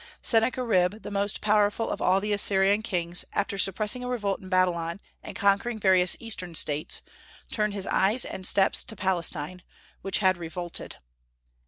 Sennacherib, the most powerful of all the Assyrian kings, after suppressing a revolt in Babylon and conquering various Eastern states, turned his eyes and steps to Palestine, which had revolted.